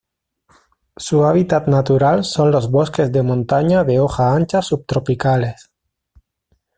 Su hábitat natural son los bosques de montaña de hoja ancha subtropicales.